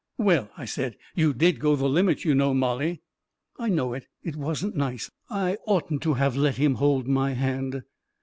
" Well," I said, u you did go the limit, you know, Mollie !"" I know it — it wasn't nice. I oughtn't to have let him hold my hand